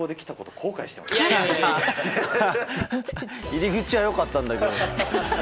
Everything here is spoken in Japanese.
入り口は良かったんだけど。